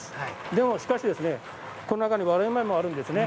でもしかしこの中に割れ目もあるんですね。